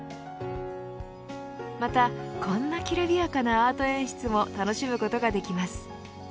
また、こんなきらびやかなアート演出も楽しむことができます。